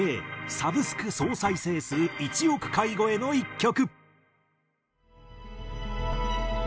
サブスク総再生数１億回超えの１曲。